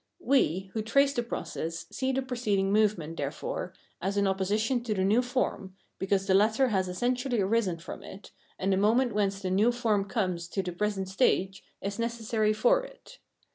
We, who trace the process, see the preceding movement, therefore, as in opposition to the new form, because the latter has essentiaUy arisen from it, and the moment whence the new form comes to the present stage is necessary for it.